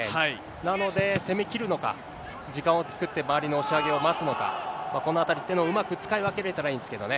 なので、攻めきるのか、時間を作って周りの押し上げを待つのか、このあたりというのを、うまく使い分けれたらいいですけどね。